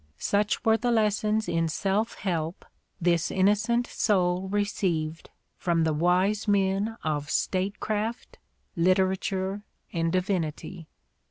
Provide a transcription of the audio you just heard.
Such were the lessons in self help this innocent soul received from the wise men of statecraft, literature and divinity.